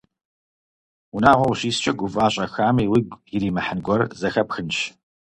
Унагъуэ ущискӏэ, гува щӏэхами уигу иримыхьын гуэр зэхэпхынщ.